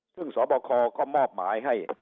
ซึ่งสบคก็มอบหมายให้